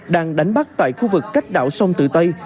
đang đánh bắt tại khu vực cách đảo sông tự tây